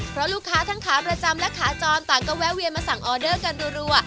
เพราะลูกค้าทั้งขาประจำและขาจรต่างก็แวะเวียนมาสั่งออเดอร์กันรัว